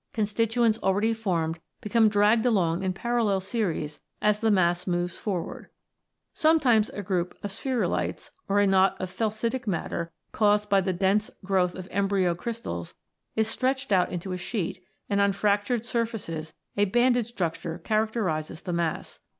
Constituents already formed become dragged along in parallel series as the mass moves forward. Sometimes a group of spherulites, or a knot of "felsitic" matter caused by the dense growth of embryo crystals, is stretched out into a sheet, and on fractured surfaces a banded structure characterises the mass.